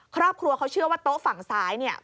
ครอบครัวเขาเชื่อว่าโต๊ะฝั่งซ้ายเนี่ย